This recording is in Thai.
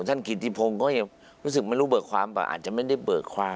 ท่านกิจิพงศ์ก็ยังรู้เบิกความแต่อาจจะไม่ได้เบิกความ